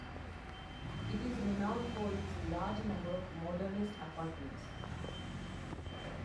It is renowned for its large number of modernist apartments.